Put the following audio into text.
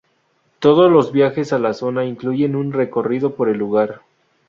Todos los viajes a la zona incluyen un recorrido por el lugar.